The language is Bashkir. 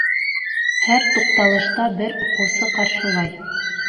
Һәр туҡталышта бер уҡыусы ҡаршылай.